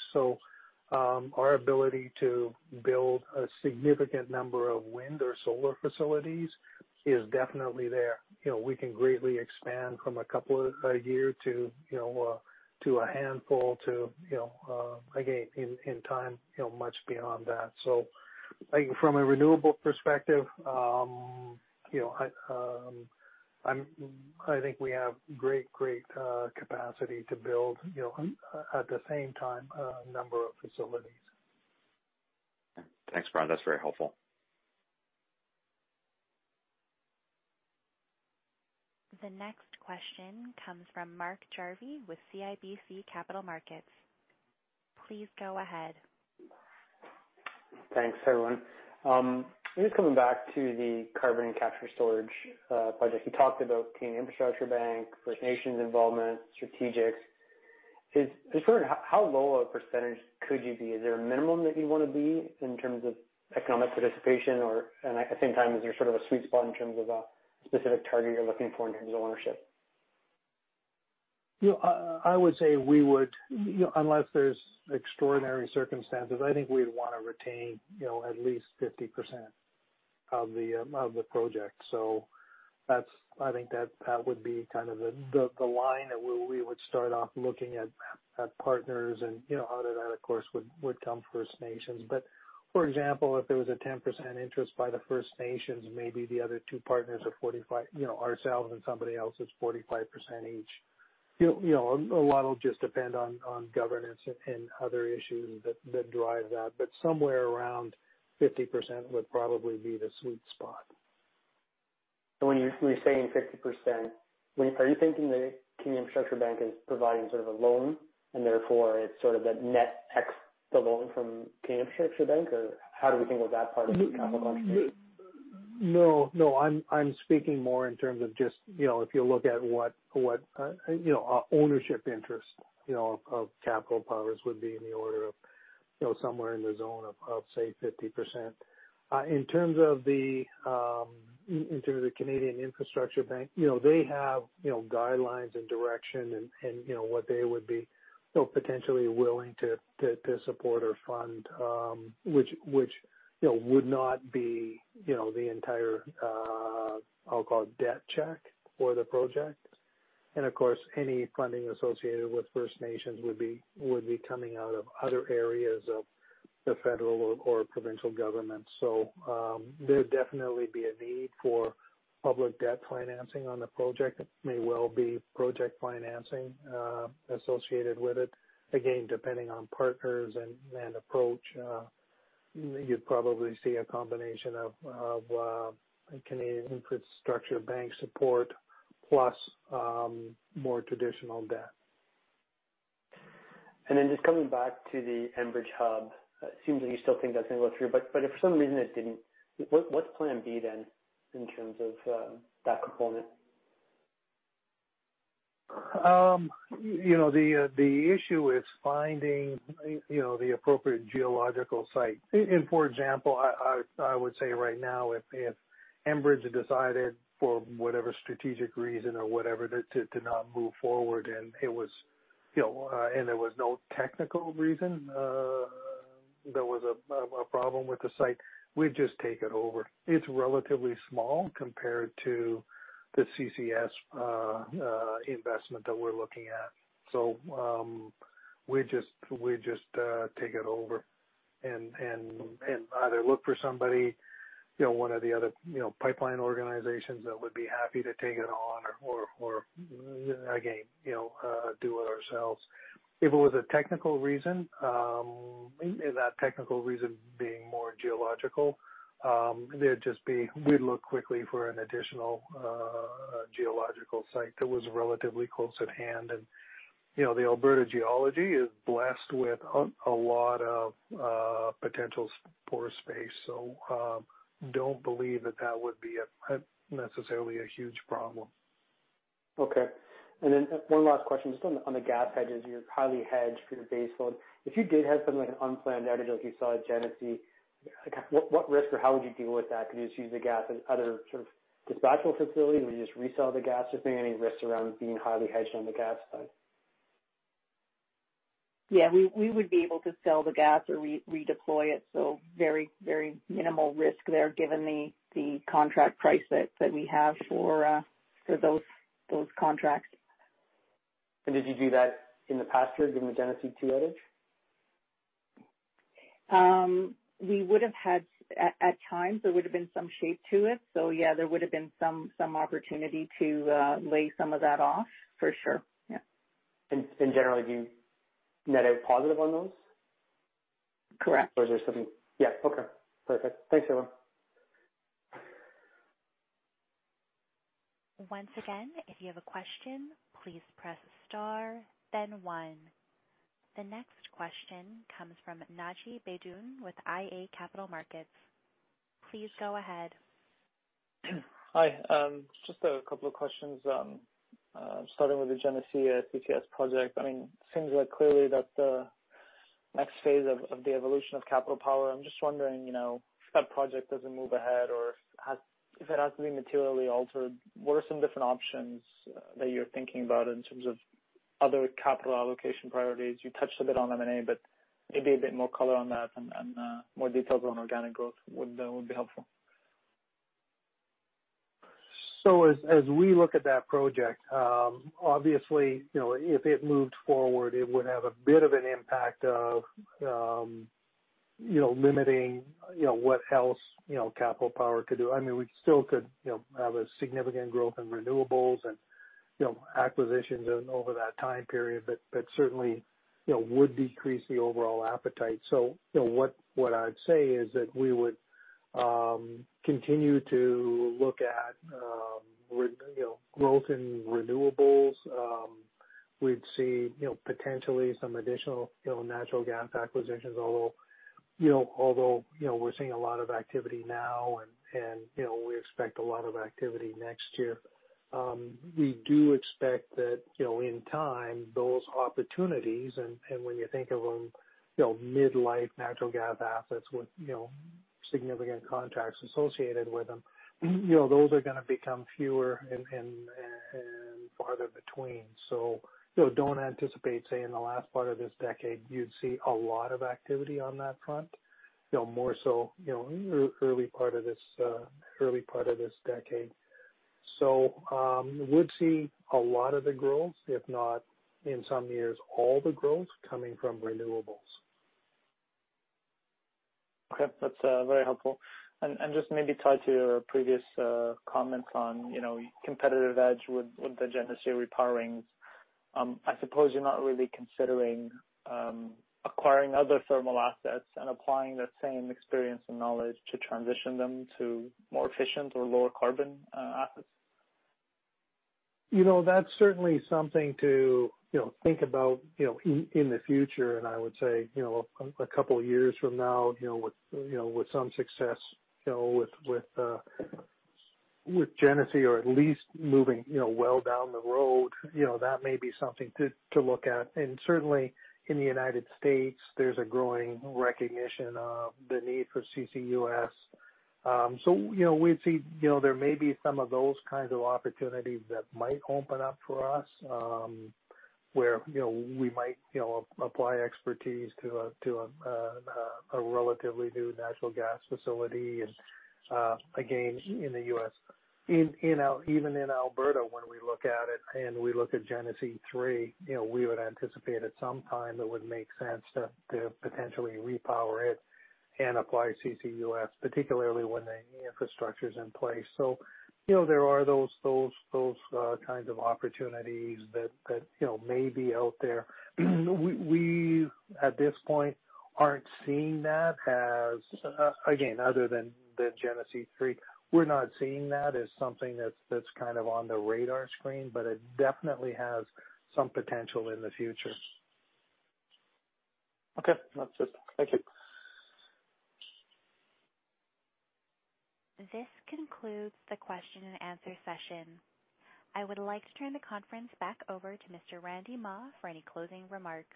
Our ability to build a significant number of wind or solar facilities is definitely there. You know, we can greatly expand from a couple a year to a handful to, you know, again, in time, you know, much beyond that. I think from a renewable perspective, you know, I think we have great capacity to build, you know, at the same time, a number of facilities. Thanks, Brian. That's very helpful. The next question comes from Mark Jarvi with CIBC Capital Markets. Please go ahead. Thanks, everyone. Just coming back to the carbon capture storage project. You talked about Canada Infrastructure Bank, First Nations involvement, strategics. Just wondering how low a percentage could you be? Is there a minimum that you wanna be in terms of economic participation? Or, and at the same time, is there sort of a sweet spot in terms of a specific target you're looking for in terms of ownership? I would say we would, you know, unless there's extraordinary circumstances, I think we'd want to retain, you know, at least 50% of the project. That's the line that we would start off looking at partners and, you know, out of that, of course, would come First Nations. For example, if there was a 10% interest by the First Nations, maybe the other two partners are 45%, you know, ourselves and somebody else is 45% each. You know, a lot will just depend on governance and other issues that drive that. Somewhere around 50% would probably be the sweet spot. When you're saying 50%, are you thinking the Canada Infrastructure Bank is providing sort of a loan, and therefore it's sort of a net ex the loan from Canada Infrastructure Bank? Or how do we think of that part of the capital contribution? No, I'm speaking more in terms of just, you know, if you look at what, you know, our ownership interest, you know, of capital partners would be in the order of, you know, somewhere in the zone of, say, 50%. In terms of the, in terms of the Canada Infrastructure Bank, you know, they have, you know, guidelines and direction and, you know, what they would be, you know, potentially willing to support or fund, which, you know, would not be, you know, the entire, I'll call it debt check for the project. Of course, any funding associated with First Nations would be coming out of other areas of the federal or provincial government. There'd definitely be a need for public debt financing on the project. It may well be project financing associated with it. Again, depending on partners and approach, you'd probably see a combination of Canada Infrastructure Bank support plus more traditional debt. Then just coming back to the Enbridge hub, it seems like you still think that's gonna go through, but if for some reason it didn't, what's plan B then in terms of that component? You know, the issue is finding, you know, the appropriate geological site. For example, I would say right now, if Enbridge decided for whatever strategic reason or whatever to not move forward and it was, you know, and there was no technical reason, there was a problem with the site, we'd just take it over. It's relatively small compared to the CCUS investment that we're looking at. We'd just take it over and either look for somebody, you know, one of the other, you know, pipeline organizations that would be happy to take it on or again, you know, do it ourselves. If it was a technical reason, and that technical reason being more geological, it'd just be we'd look quickly for an additional geological site that was relatively close at hand and you know, the Alberta geology is blessed with a lot of potential pore space. So, don't believe that would be necessarily a huge problem. Okay. One last question just on the gas hedges. You're highly hedged for your base load. If you did have something like an unplanned outage like you saw at Genesee, like what risk or how would you deal with that? Could you just use the gas at other sort of dispatchable facilities? Would you just resell the gas? Is there any risks around being highly hedged on the gas side? Yeah, we would be able to sell the gas or redeploy it. Very minimal risk there given the contract price that we have for those contracts. Did you do that in the past year during the Genesee 2 outage? We would have had at times there would have been some shape to it. Yeah, there would have been some opportunity to lay some of that off for sure. Yeah. Generally, do you net out positive on those? Correct. Yeah. Okay, perfect. Thanks, everyone. Once again, if you have a question, please press star then one. The next question comes from Naji Baydoun with iA Capital Markets. Please go ahead. Hi. Just a couple of questions. Starting with the Genesee CCUS project. I mean, it seems like clearly that the next phase of the evolution of Capital Power. I'm just wondering, you know, if that project doesn't move ahead or if it has to be materially altered, what are some different options that you're thinking about in terms of other capital allocation priorities? You touched a bit on M&A, but maybe a bit more color on that and more details on organic growth would be helpful. As we look at that project, obviously, you know, if it moved forward, it would have a bit of an impact of, you know, limiting, you know, what else, you know, Capital Power could do. I mean, we still could, you know, have a significant growth in renewables and, you know, acquisitions over that time period. Certainly, you know, would decrease the overall appetite. What I'd say is that we would continue to look at, you know, growth in renewables. We'd see, you know, potentially some additional, you know, natural gas acquisitions, although, you know, we're seeing a lot of activity now and, you know, we expect a lot of activity next year. We do expect that, you know, in time those opportunities and when you think of them, you know, mid-life natural gas assets with, you know, significant contracts associated with them, you know, those are gonna become fewer and farther between. Don't anticipate, say, in the last part of this decade you'd see a lot of activity on that front. More so, you know, in the early part of this decade. We would see a lot of the growth, if not in some years, all the growth coming from renewables. Okay, that's very helpful. Just maybe tied to your previous comments on competitive edge with the Genesee Repowerings. I suppose you're not really considering acquiring other thermal assets and applying that same experience and knowledge to transition them to more efficient or lower carbon assets. You know, that's certainly something to think about in the future. I would say a couple of years from now, with some success with Genesee or at least moving well down the road, that may be something to look at. Certainly in the United States, there's a growing recognition of the need for CCUS. We'd see there may be some of those kinds of opportunities that might open up for us, where we might apply expertise to a relatively new natural gas facility. Again, in the U.S. You know, even in Alberta when we look at it and we look at Genesee 3, you know, we would anticipate at some time it would make sense to potentially repower it and apply CCUS, particularly when the infrastructure's in place. You know, there are those kinds of opportunities that you know may be out there. We at this point aren't seeing that as again, other than Genesee 3. We're not seeing that as something that's kind of on the radar screen, but it definitely has some potential in the future. Okay. That's it. Thank you. This concludes the question and answer session. I would like to turn the conference back over to Mr. Randy Mah for any closing remarks.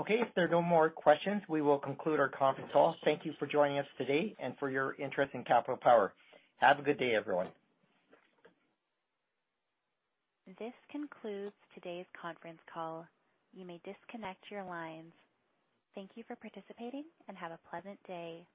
Okay. If there are no more questions, we will conclude our conference call. Thank you for joining us today and for your interest in Capital Power. Have a good day, everyone. This concludes today's conference call. You may disconnect your lines. Thank you for participating and have a pleasant day.